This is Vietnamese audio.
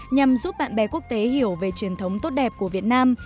nhằm giúp bạn bè quốc tế hiểu về truyền thống tốt đẹp của việt nam